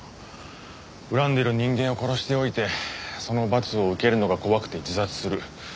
恨んでる人間を殺しておいてその罰を受けるのが怖くて自殺する。